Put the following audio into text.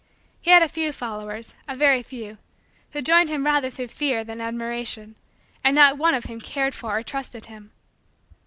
He had a few followers, a very few, who joined him rather through fear than admiration and not one of whom cared for or trusted him.